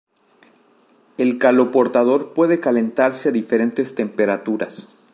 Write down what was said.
El caloportador puede calentarse a diferentes temperaturas.